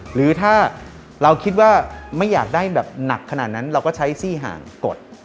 หรือถ้าเราคิดว่าไม่อยากได้แบบหนักขนาดนั้นเราก็ใช้ซี่ห่างกด